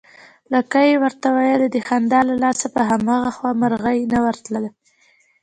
لکۍ يې ورته ويله، د خندا له لاسه په هماغه خوا مرغۍ نه ورتلې